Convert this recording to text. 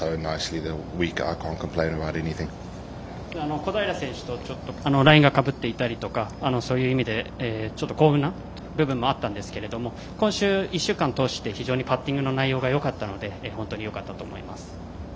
小平選手とラインがかぶっていたりとかそういう意味で、幸運な部分もあったんですが今週１週間を通して非常にパッティングの内容がよかったので本当によかったと思います。